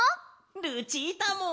ルチータも！